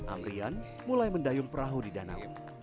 amrian mulai mendayung perahu di danau